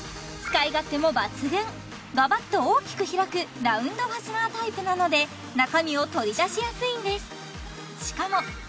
使い勝手も抜群ガバッと大きく開くラウンドファスナータイプなので中身を取り出しやすいんです